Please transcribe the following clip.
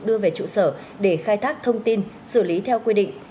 đưa về trụ sở để khai thác thông tin xử lý theo quy định